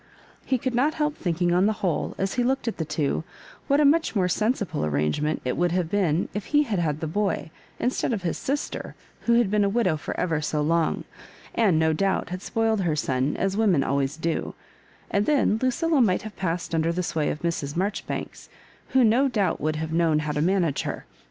He could not help thinking, on the whole, as he looked at the two, what a much more sensible arrangement it would have been if he had had the boy, instead of his sister, who had been a widow for ever so long, and no doubt bad spoiled her son, as women ak ways do ; and then Lucilla might have passed under the sway of Mrs. Marjoribanks, who no doubt would have known how to manage her.